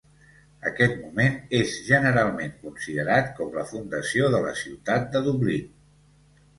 Aquest moment és generalment considerat com la fundació de la ciutat de Dublín.